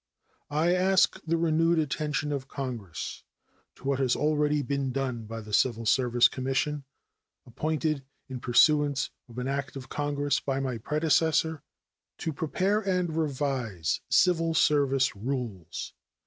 I ask the renewed attention of Congress to what has already been done by the Civil Service Commission, appointed, in pursuance of an act of Congress, by my predecessor, to prepare and revise civil service rules.